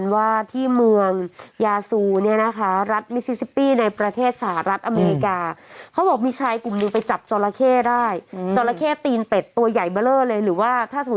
วันที่๑๔กันยายนมีผู้สิทธิ์ข่าวต่างประเทศ